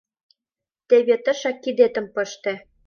Теве тышак кидетым пыште.